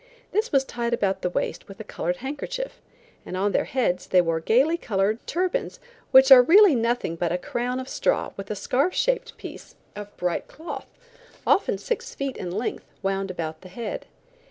This was tied about the waist with a colored handkerchief, and on their heads they wore gayly colored turbans, which are really nothing but a crown of straw with a scarf shaped piece of bright cloth, often six feet in length, wound about the head.